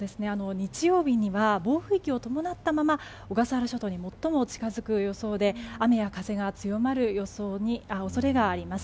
日曜日には暴風域を伴ったまま小笠原諸島に最も近づく予想で雨や風が強まる恐れがあります。